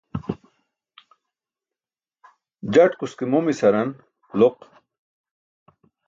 Jatkus ke momis haran loq.